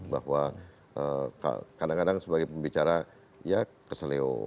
bahwa kadang kadang sebagai pembicara ya keseleo